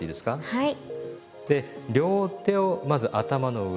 はい。